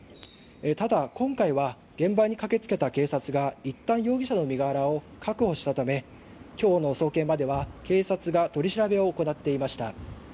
ただ、今回は現場に駆けつけた警察がいったん容疑者の身柄を確保したため今日の送検までは警察が取り調べを行っていました。